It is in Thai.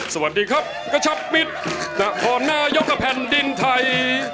สวัสดีครับก็ชับมิดหนักปอน่ายกแผ่นดินไทย